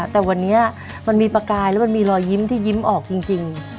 แต่วันนี้มันมีประกายแล้วมันมีรอยยิ้มที่ยิ้มออกจริง